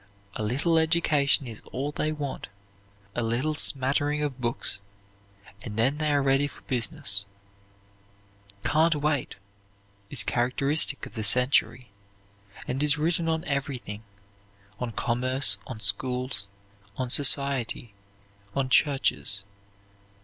A little education is all they want, a little smattering of books, and then they are ready for business. "Can't wait" is characteristic of the century, and is written on everything; on commerce, on schools, on society, on churches.